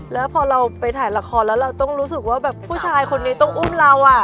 แล้วพอเราไปถ่ายละครแล้วเราต้องรู้สึกว่าแบบผู้ชายคนนี้ต้องอุ้มเรา